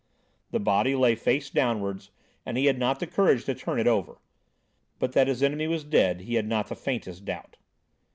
The body lay face downwards, and he had not the courage to turn it over; but that his enemy was dead he had not the faintest doubt.